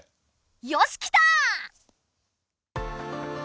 よしきた！